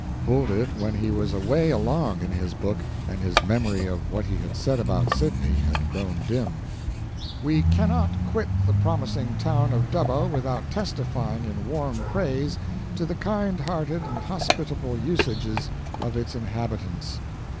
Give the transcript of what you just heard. Pulled it when he was away along in his book, and his memory of what he had said about Sydney had grown dim: "We cannot quit the promising town of Dubbo without testifying, in warm praise, to the kind hearted and hospitable usages of its inhabitants.